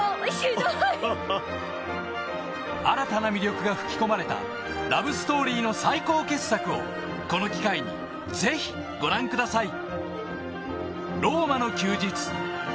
新たな魅力が吹き込まれたラブストーリーの最高傑作をこの機会にぜひご覧ください